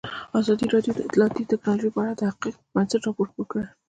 ازادي راډیو د اطلاعاتی تکنالوژي په اړه د حقایقو پر بنسټ راپور خپور کړی.